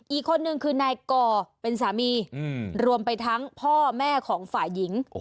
อีกคนนึงคือนายก่อเป็นสามีรวมไปทั้งพ่อแม่ของฝ่ายหญิง